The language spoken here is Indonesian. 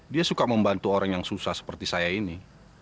dia suka membantu orang yang susah seperti saya ini